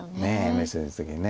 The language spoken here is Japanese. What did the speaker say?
メッセージの時にね。